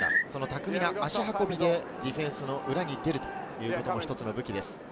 巧みな足運びでディフェンスの裏に出ることも一つの武器です。